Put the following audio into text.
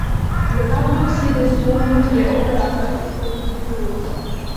Le tableau ci-dessous montre les opérateurs historiques du groupe.